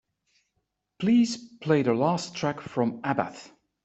Please play the last track from abbath